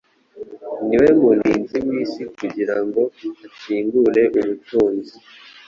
Niwe murinzi wisi kugirango akingure ubutunzi